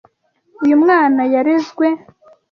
Uyu mwana yarezwe.